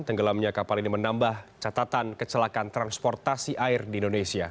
tenggelamnya kapal ini menambah catatan kecelakaan transportasi air di indonesia